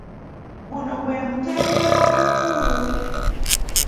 Guno gwe mutendera omukulu.